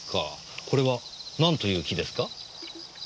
これはなんという木ですか？